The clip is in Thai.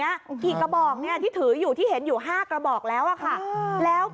กี่กระบอกที่ถืออยู่ที่เห็นอยู่๕กระบอกแล้วค่ะ